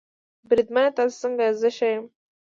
بریدمنه تاسې څنګه یاست؟ زه ښه یم.